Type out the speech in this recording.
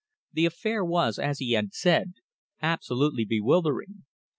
The affair was, as he had said, absolutely bewildering.